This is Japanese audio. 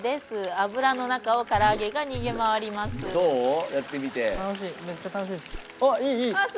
油の中をからあげが逃げ回ります。